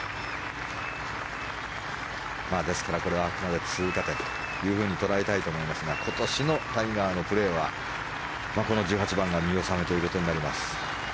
ですから、これはあくまで通過点ととらえたいと思いますが今年のタイガーのプレーはこの１８番が見納めということになります。